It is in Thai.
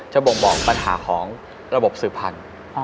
บ่งบอกปัญหาของระบบสื่อพันธุ์